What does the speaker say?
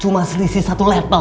cuma selisih satu level dari gembel